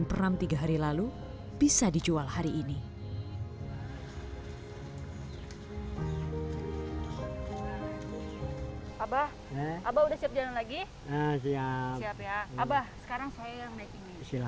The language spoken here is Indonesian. pasti segini sih ringan tapi